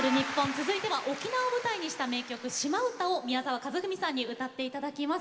続いては沖縄を舞台にした名曲「島唄」を宮沢和史さんに歌って頂きます。